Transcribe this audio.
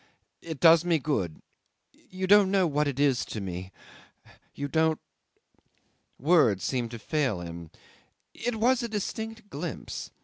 "It does me good. You don't know what it is to me. You don't" ... words seemed to fail him. It was a distinct glimpse.